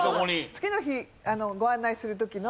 次の日ご案内する時の。